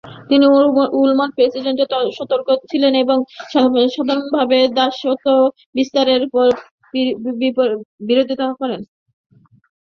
তিনি উইলমট প্রোভিসোর সমর্থক ছিলেন এবং সাধারণভাবে দাসত্বপ্রথার বিস্তারের বিরোধিতা করেন।